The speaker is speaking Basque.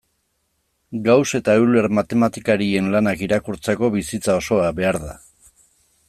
Gauss eta Euler matematikarien lanak irakurtzeko bizitza osoa behar da.